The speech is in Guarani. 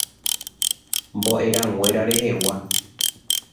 Mbo'erãnguéra rehegua.